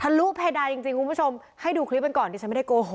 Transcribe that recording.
ลุเพดานจริงคุณผู้ชมให้ดูคลิปกันก่อนดิฉันไม่ได้โกหก